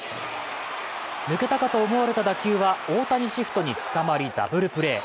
抜けたかと思われた打球は、大谷シフトにつかまりダブルプレー。